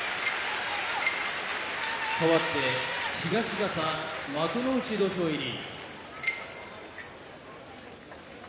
かわって東方幕内土俵入り。